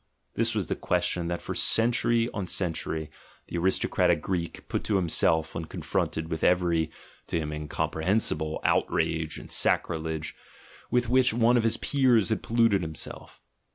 This was the question that for century on century the aristocratic Greek put to himself when confronted with every (to him incomprehensible) outrage and sacrilege with which one of his peers had polluted himself.